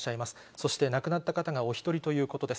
そして亡くなった方がお１人ということです。